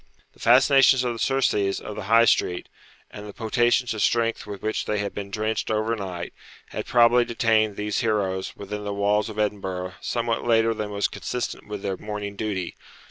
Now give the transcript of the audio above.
The fascinations of the Circes of the High Street, and the potations of strength with which they had been drenched over night, had probably detained these heroes within the walls of Edinburgh somewhat later than was consistent with their morning duty.